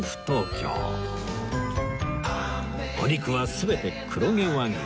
お肉は全て黒毛和牛